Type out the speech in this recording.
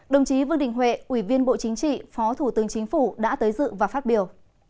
đồng chí vương đình huệ ủy viên bộ chính trị phó thủ tướng chính phủ đã tới dự và phát biểu